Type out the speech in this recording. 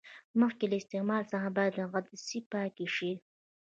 مخکې له استعمال څخه باید عدسې پاکې شي.